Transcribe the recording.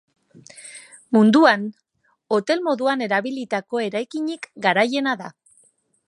Munduan, hotel moduan erabilitako eraikinik garaiena da.